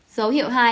dấu hiệu hai